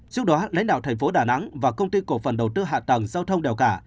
trước đó lãnh đạo thành phố đà nẵng và công ty cổ phần đầu tư hạ tầng giao thông đèo cả